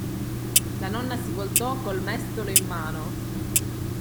La nonna si voltò col mestolo in mano.